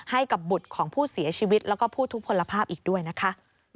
ให้กับบุตรของผู้เสียชีวิตแล้วก็ผู้ทุกผลภาพอีกด้วยนะคะ